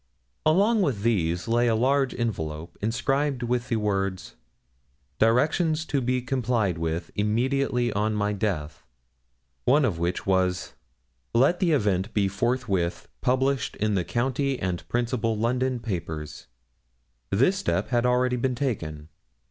Along with these lay a large envelope, inscribed with the words 'Directions to be complied with immediately on my death.' One of which was, 'Let the event be forthwith published in the county and principal London papers.' This step had been already taken.